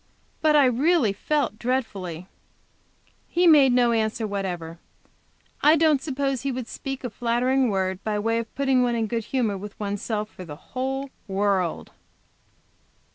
But I really felt dreadfully." He made no answer whatever. I don't suppose he would speak a little flattering word by way of putting one in good humor with one's self for the whole world!